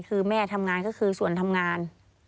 คือแม่ทำงานก็คือส่วนทำงาน